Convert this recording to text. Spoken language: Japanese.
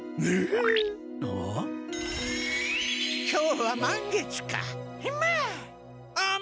今日は満月か。